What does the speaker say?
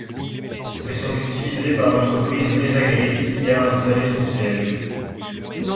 Ils sont utilisés par l'entreprise Maisagri qui y a installé son siège.